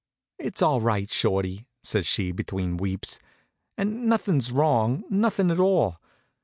"It's all right, Shorty," says she between weeps. "And nothing's wrong, nothing at all.